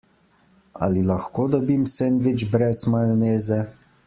Ali lahko dobim sendvič brez majoneze?